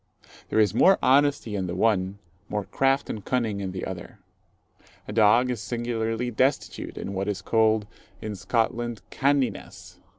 There is more honesty in the one, more craft and cunning in the other. A dog is singularly destitute in what is called in Scotland, "canniness."